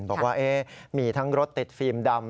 บอกว่ามีทั้งรถติดฟิล์มดำ